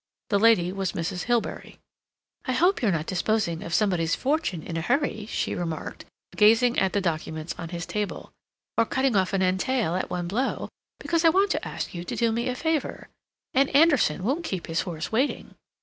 The lady was Mrs. Hilbery. "I hope you're not disposing of somebody's fortune in a hurry," she remarked, gazing at the documents on his table, "or cutting off an entail at one blow, because I want to ask you to do me a favor. And Anderson won't keep his horse waiting.